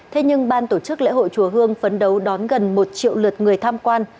thế nhưng ban tổ chức lễ hội chùa hương phấn đấu đón gần một triệu lượt người tham quan